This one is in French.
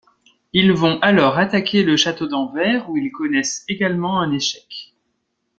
Ils vont alors attaquer le château d’Anvers, où ils connaissent également un échec.